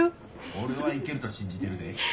俺はいけると信じてるで。